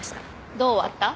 どう終わった？